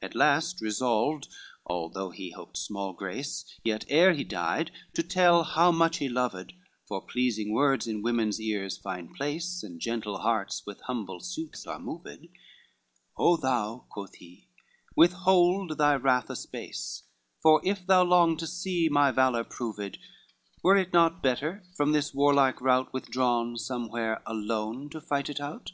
XXV At last resolved, although he hoped small grace, Yet ere he did to tell how much he loved, For pleasing words in women's ears find place, And gentle hearts with humble suits are moved: "O thou," quoth he, "withhold thy wrath a space, For if thou long to see my valor proved, Were it not better from this warlike rout Withdrawn, somewhere, alone to fight it out?